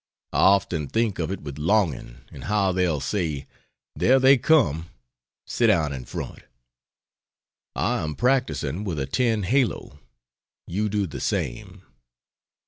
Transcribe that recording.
I often think of it with longing, and how they'll say, "There they come sit down in front!" I am practicing with a tin halo. You do the same.